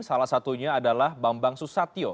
salah satunya adalah bambang susatyo